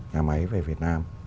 nhà máy về việt nam